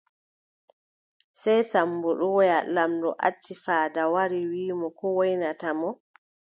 Sey Sammbo ɗon woya, laamɗo acci faada wari, wiʼi mo ko woynata mo.